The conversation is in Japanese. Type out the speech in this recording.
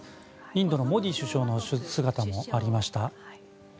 インドのモディ首相の姿もありました。